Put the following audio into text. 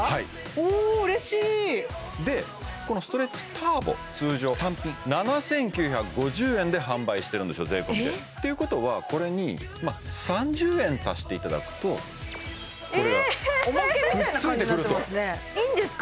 お嬉しいでこのストレッチターボ通常単品７９５０円で販売してるんですが税込でということはこれに３０円足していただくとこれがくっついてくるとえいいんですか？